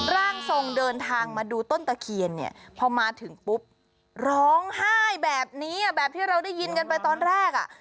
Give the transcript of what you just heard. ร่างทรงเดินทางมาดูต้นตะเคียนเนี่ยพอมาถึงปุ๊บร้องไห้แบบนี้แบบที่เราได้ยินกันไปตอนแรกอ่ะ